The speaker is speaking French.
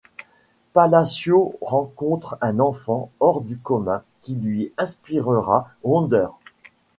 Palacio rencontre un enfant hors du commun qui lui inspirera Wonder.